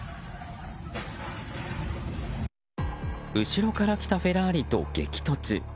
後ろから来たフェラーリと激突。